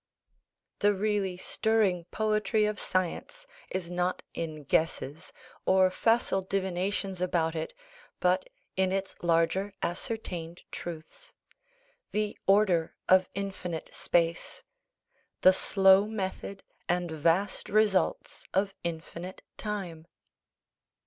The really stirring poetry of science is not in guesses, or facile divinations about it, but in its larger ascertained truths the order of infinite space, the slow method and vast results of infinite time.